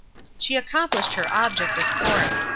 She accomplished her object, of course.